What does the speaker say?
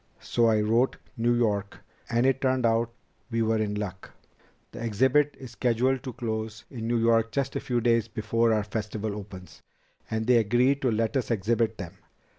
So I wrote New York, and it turned out we were in luck. The exhibit is scheduled to close in New York just a few days before our Festival opens. And they agreed to let us exhibit them.